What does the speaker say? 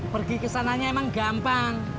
pergi ke sananya emang gampang